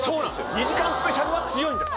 ２時間スペシャルは強いんです。